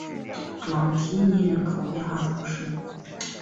朗提尼人口变化图示